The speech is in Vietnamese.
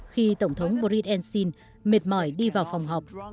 khi tổng thống boris elsin mệt mỏi đi vào phòng họp